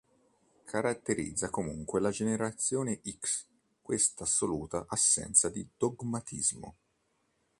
Caratterizza comunque la Generazione X questa assoluta assenza di dogmatismo.